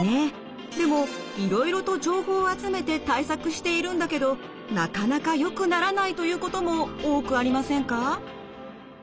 でもいろいろと情報を集めて対策しているんだけどなかなかよくならないということも多くありませんか？